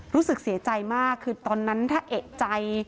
รู้สึกเสียใจมากคือตอนนั้นถ้าเอกใจ